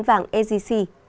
bán vàng sgc